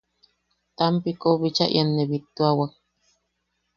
Tampikou bicha ian ne bittuawak.